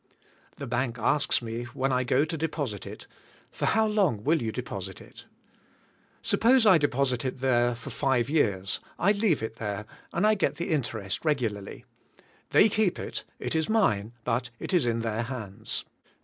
The bank asks me, when I go to deposit it, "For how long will you deposit it?" Suppose I deposit it there for five years, I leave it there, and I get the interest regularly. They keep it; it is mine, but it is in their hands.